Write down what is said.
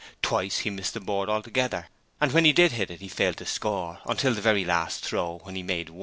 Twice he missed the board altogether, and when he did hit it he failed to score, until the very last throw, when he made 1.